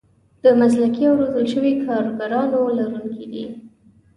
د مسلکي او روزل شوو کارګرانو لرونکي دي.